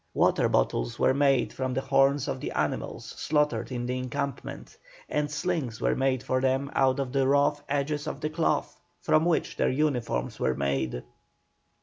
Water bottles were made from the horns of the animals slaughtered in the encampment, and slings were made for them out of the rough edges of the cloth from which their uniforms were made.